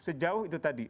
sejauh itu tadi